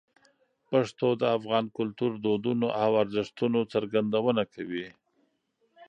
پښتو د افغان کلتور، دودونو او ارزښتونو څرګندونه کوي.